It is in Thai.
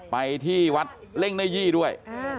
ไปที่วัดเล่งเนยี่ด้วย